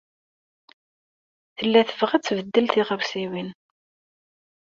Tella tebɣa ad tbeddel tiɣawsiwin.